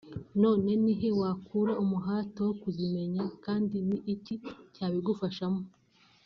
none ni he wakura umuhate wo kuzimenya kandi ni iki cyabigufashamo